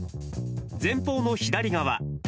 前方の左側。